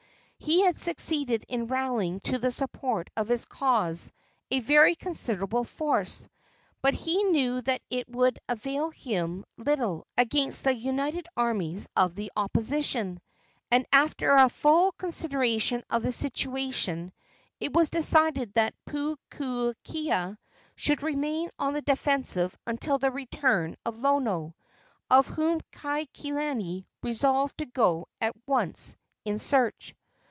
He had succeeded in rallying to the support of his cause a very considerable force, but he knew that it would avail him little against the united armies of the opposition, and after a full consideration of the situation it was decided that Pupuakea should remain on the defensive until the return of Lono, of whom Kaikilani resolved to go at once in search.